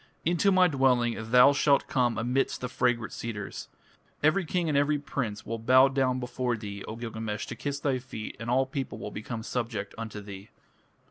Into my dwelling thou shalt come amidst the fragrant cedars. Every king and every prince will bow down before thee, O Gilgamesh, to kiss thy feet, and all people will become subject unto thee."